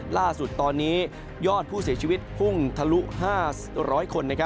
ล่าสุดตอนนี้ยอดผู้เสียชีวิตพุ่งทะลุ๕๐๐คน